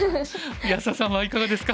安田さんはいかがですか？